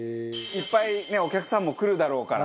いっぱいねお客さんも来るだろうから。